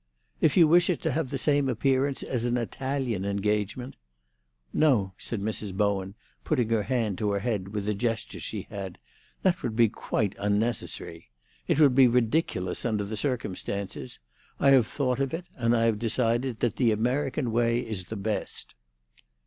"If you wish it to have the same appearance as an Italian engagement——" "No," said Mrs. Bowen, putting her hand to her head with a gesture she had; "that would be quite unnecessary. It would be ridiculous under the circumstances. I have thought of it, and I have decided that the American way is the best."